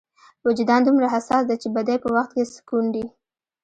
وجدان دومره حساس دی چې بدۍ په وخت کې سکونډي.